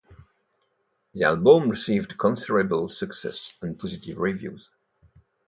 The album received considerable success and positive reviews.